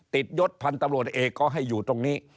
ยศพันธุ์ตำรวจเอกก็ให้อยู่ตรงนี้